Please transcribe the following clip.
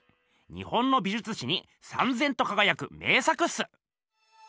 日本の美じゅつ史にさんぜんとかがやく名作っす。